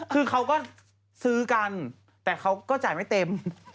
คือเขาก็ซื้อกันแต่เขาก็จ่ายไม่เต็ม